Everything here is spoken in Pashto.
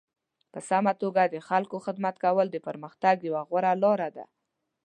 په سمه توګه د خلکو خدمت کول د پرمختګ یوه غوره لاره ده.